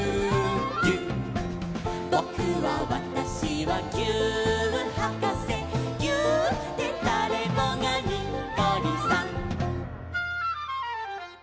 「ぼくはわたしはぎゅーっはかせ」「ぎゅーっでだれもがにっこりさん！」